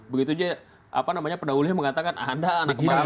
begitu saja pendahulunya mengatakan anda anak kemarau